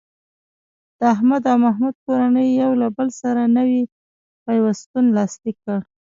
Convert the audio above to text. د احمد او محمود کورنۍ یو له بل سره نوی پیوستون لاسلیک کړ.